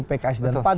pks dan pan